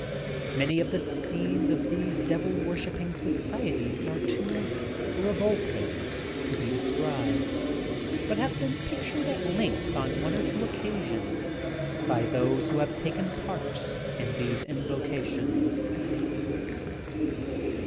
Many of the scenes of these devil worahipping societies are too revolting to be described ; but have been pictured at length on one or two occasions by those who have taken part in these invocations.